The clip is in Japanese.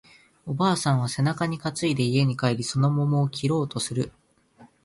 おばあさんは背中に担いで家に帰り、その桃を切ろうとする